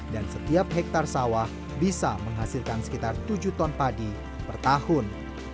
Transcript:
dan setiap hektar sawah bisa menghasilkan sekitar tujuh ton padi per tahun